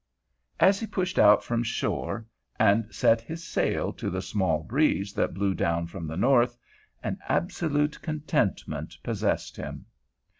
As he pushed out from shore and set his sail to the small breeze that blew down from the north, an absolute contentment possessed him.